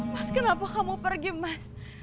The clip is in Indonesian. mas kenapa kamu pergi mas